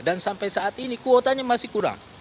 dan sampai saat ini kuotanya masih kurang